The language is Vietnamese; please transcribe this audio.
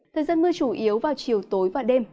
thời gian mưa chủ yếu vào chiều tối và đêm